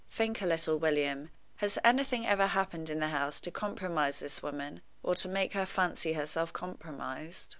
Think a little, William. Has anything ever happened in the house to compromise this woman, or to make her fancy herself compromised?"